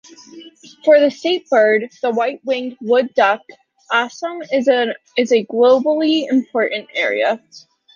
For the state bird, the white-winged wood duck, Assam is a globally important area.